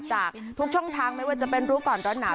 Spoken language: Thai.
จากทุกช่องทางไม่ว่าจะเป็นรู้ก่อนร้อนหนาว